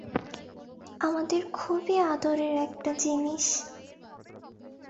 আমাদের খুবই আদরের একটা জিনিস।